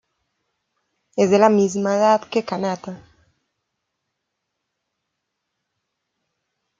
Es de la misma edad que Kanata.